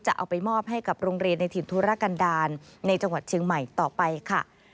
จะเอาไปมอบให้กับโรงเรียนในถิ่นธุรกันดาลในจังหวัดเชียงใหม่ต่อไปค่ะ